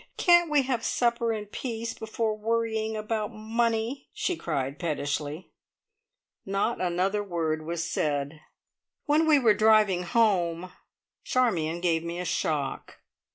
Can't we have supper in peace, before worrying about money!" she cried pettishly. Not another word was said. When we were driving home, Charmion gave me a shock.